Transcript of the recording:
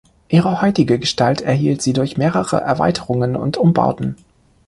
Ihre heutige Gestalt erhielt sie durch mehrere Erweiterungen und Umbauten.